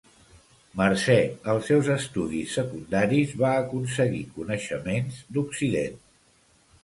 Mercè els seus estudis secundaris va aconseguir coneixements d'Occident.